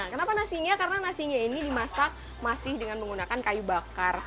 kenapa nasinya karena nasinya ini dimasak masih dengan menggunakan kayu bakar